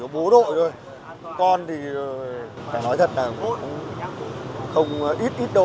bố đội thôi con thì phải nói thật là không ít ít đội